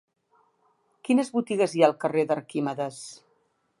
Quines botigues hi ha al carrer d'Arquímedes?